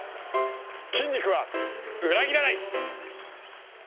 筋肉は裏切らない。